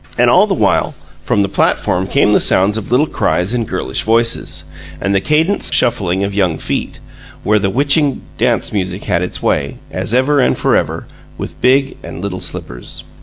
And, all the while, from the platform came the sounds of little cries in girlish voices, and the cadenced shuffling of young feet, where the witching dancemusic had its way, as ever and forever, with big and little slippers.